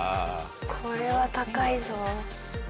これは高いぞ。